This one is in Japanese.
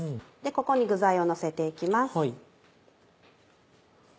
ここに具材をのせて行きます。